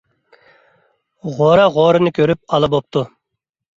غورا غورىنى كۆرۈپ ئالا بوپتۇ.